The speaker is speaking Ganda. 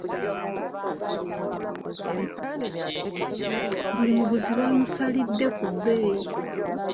Buli muguzi baamusalidde ku bbeeyi.